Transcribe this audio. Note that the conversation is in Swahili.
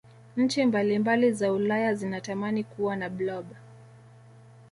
nchi mbalimbali za ulaya zinatamani Kuwa na blob